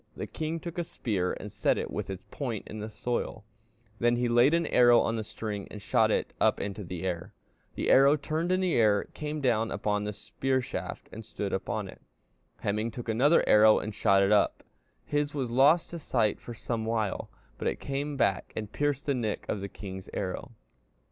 The king took a spear and set it with its point in the soil, then he laid an arrow on the string and shot up into the air. The arrow turned in the air and came down upon the spear shaft and stood up in it. Hemingr took another arrow and shot up; his was lost to sight for some while, but it came back and pierced the nick of the king's arrow....